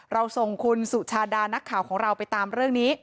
เราส่งคุณสุชาดานักข่าวของเราไปตามเรื่องนี้